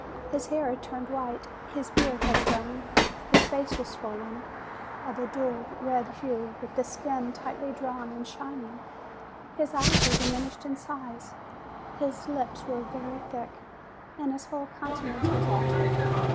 His hair had turned white, his beard had grown, his face was swollen, of a dull red hue, with the skin tightly drawn and shining, his eyes were diminished in size, his lips were very thick, and his whole coun tenance was altered.